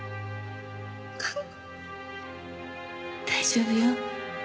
大丈夫よ。